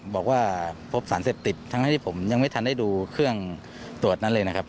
บอกว่าพบสารเสพติดทั้งที่ผมยังไม่ทันได้ดูเครื่องตรวจนั้นเลยนะครับ